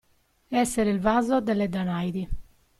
Essere il vaso delle Danaidi.